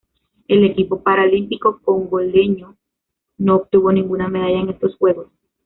El equipo paralímpico congoleño no obtuvo ninguna medalla en estos Juegos.